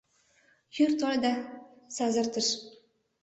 Йӱр тольо да сазыртыш.